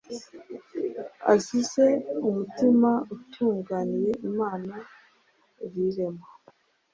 azize umutima utunganiye imana rirema.